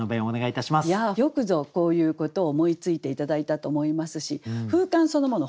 いやあよくぞこういうことを思いついて頂いたと思いますし封緘そのもの